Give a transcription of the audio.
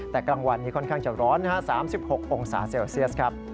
แต่กลางวันนี้ค่อนข้างจะร้อน๓๖องศาเซลเซียสครับ